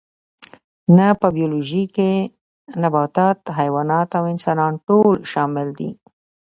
نه په بیولوژي کې نباتات حیوانات او انسانان ټول شامل دي